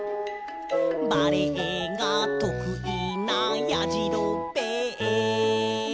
「バレエがとくいなやじろべえ」